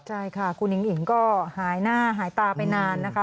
ใช่ค่ะคุณอิงอิ๋งก็หายหน้าหายตาไปนานนะคะ